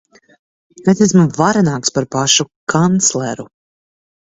Es esmu varenāks par pašu kancleru.